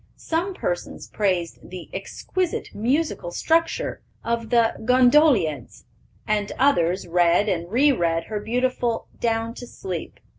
Some persons praised the "exquisite musical structure" of the Gondolieds, and others read and re read her beautiful Down to Sleep.